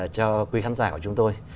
cho quý khán giả của chúng tôi